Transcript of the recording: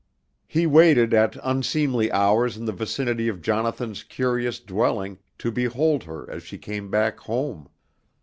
He waited at unseemly hours in the vicinity of Jonathan's curious dwelling to behold her as she came back home.